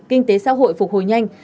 kinh tế xã hội phục hồi nhanh